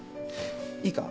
いいか？